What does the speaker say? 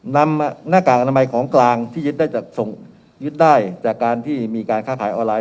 นำหน้ากากอนามัยของกลางที่ยึดได้จากส่งยึดได้จากการที่มีการค้าขายออนไลน